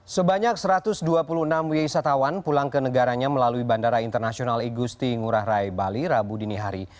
sebanyak satu ratus dua puluh enam wisatawan pulang ke negaranya melalui bandara internasional igusti ngurah rai bali rabu dini hari